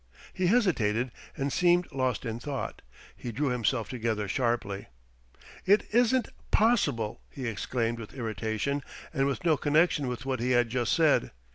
He hesitated and seemed lost in thought. He drew himself together sharply. "It isn't possible!" he exclaimed with irritation and with no connection with what he had just said.